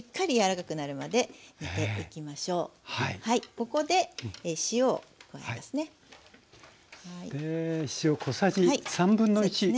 ここで塩を加えますね。